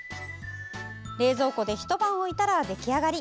冷蔵庫でひと晩置いたら出来上がり。